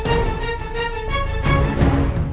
sana k symmetrical batu